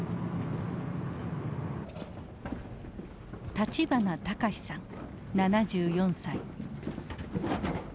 立花隆さん７４歳。